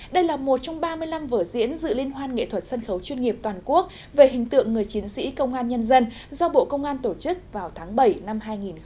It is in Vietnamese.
đây là một trong ba mươi năm vở diễn dự liên hoan nghệ thuật sân khấu chuyên nghiệp toàn quốc về hình tượng người chiến sĩ công an nhân dân do bộ công an tổ chức vào tháng bảy năm hai nghìn hai mươi